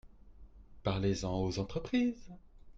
Parlez-en aux entreprises.